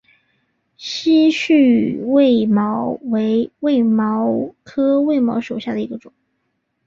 稀序卫矛为卫矛科卫矛属下的一个种。